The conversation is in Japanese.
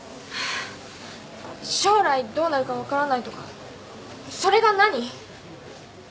将来どうなるか分からないとかそれが何？